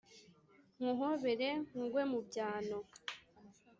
Nguhobere nkugwe mu byano